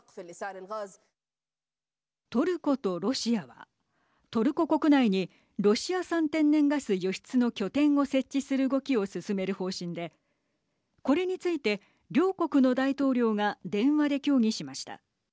トルコとロシアはトルコ国内にロシア産天然ガス輸出の拠点を設置する動きを進める方針で、これについて両国の大統領が電話で協議しました。